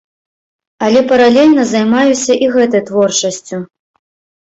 Але паралельна займаюся і гэтай творчасцю.